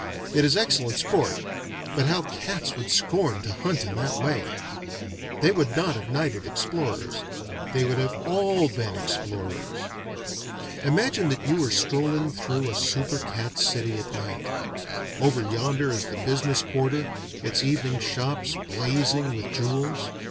It is excellent sport but how cats would scorn to hunt in that way! They would not have knighted explorers they would have all been explorers. Imagine that you are strolling through a super cat city at night. Over yonder is the business quarter, its evening shops blazing with jewels.